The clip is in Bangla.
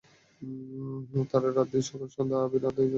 তারা রাত-দিন ও সকাল-সন্ধ্যা অবিরাম ইবাদত করে আকাশসমূহকে আবাদ রাখেন।